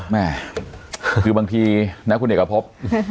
แม่คือบางทีนะคุณเด็กอภพ